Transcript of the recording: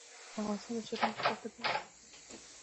افغانستان د چرګانو په غوښه ځان بسیا کیږي